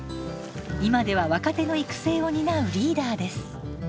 今では若手の育成を担うリーダーです。